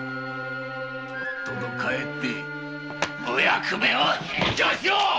とっとと帰ってお役目を返上しろ！